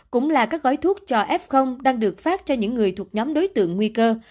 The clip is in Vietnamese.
cũng là các gói thuốc cho f đang được phát cho những người thuộc nhóm đối tượng nguy cơ